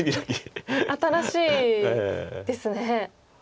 新しいですね。